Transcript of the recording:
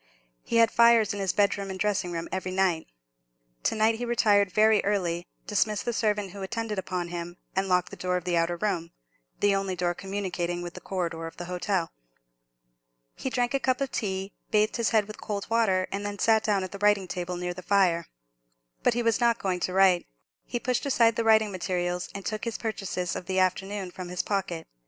He had fires in his bedroom and dressing room every night. To night he retired very early, dismissed the servant who attended upon him, and locked the door of the outer room, the only door communicating with the corridor of the hotel. He drank a cup of tea, bathed his head with cold water, and then sat down at a writing table near the fire. But he was not going to write; he pushed aside the writing materials, and took his purchases of the afternoon from his pocket.